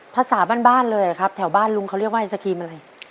ภาษาบ้านบ้านเลยครับแถวบ้านลุงเขาเรียกว่าไอศครีมอะไร